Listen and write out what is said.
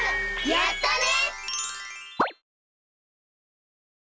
やったね！